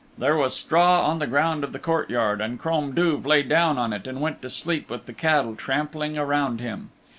There was straw on the ground of the courtyard and Crom Duv lay down on it and went to sleep with the cattle trampling around him.